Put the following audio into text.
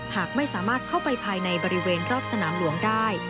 หากไม่สามารถเข้าไปภายในบริเวณรอบสนามหลวงได้